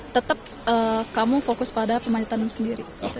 tetap kamu fokus pada pemanjutanmu sendiri